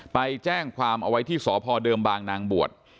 ไปแจ้งความเอาไว้ที่สพเดิมบางนางบวช